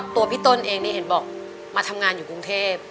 ตัวพี่ต้นเองนี่เห็นบอกมาทำงานอยู่กรุงเทพ